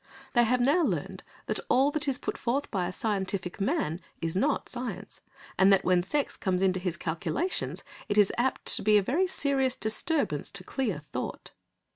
They have now learned that all that is put forth by a scientific man is not science, and that when sex comes into his calculations it is apt to be a very serious disturbance to clear thought.